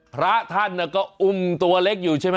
พระท่านก็อุ้มตัวเล็กอยู่ใช่ไหม